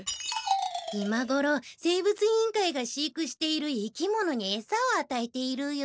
今ごろ生物委員会が飼育している生き物にえさをあたえているよ。